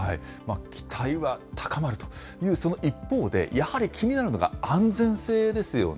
期待は高まるというその一方で、やはり気になるのが安全性ですよね。